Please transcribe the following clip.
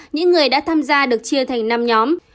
những người đã tham gia được chia thành năm nhóm